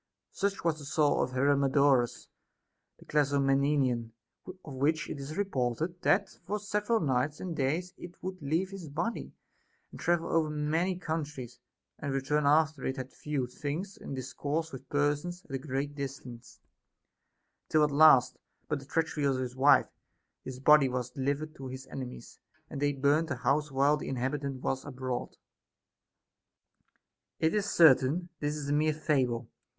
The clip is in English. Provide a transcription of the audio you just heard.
Such was the soul of Hermodorus the Clazomenian, of which it is reported that for several nights and days it would leave his body, travel over many countries, and re turn after it had viewed things and discoursed with persons at a great distance ; till at last, by the treachery of his wife, his body was delivered to his enemies, and they burnt the house while the inhabitant was abroad. It is certain, this is a mere fable.